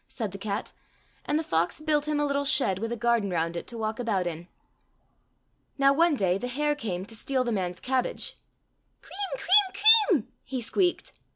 said the cat, and the fox built him a little shed with a garden round it to walk about in. Now one day the hare came to steal the man's cabbage. '* Kreem kreem kreem !" he squeaked.